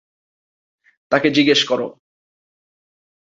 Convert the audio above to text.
তাকে জিজ্ঞেস করো।